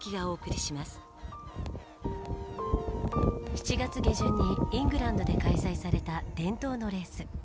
７月下旬にイングランドで開催された伝統のレース。